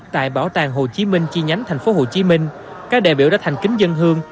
tại bảo tàng hồ chí minh chi nhánh tp hcm các đại biểu đã thành kính dân hương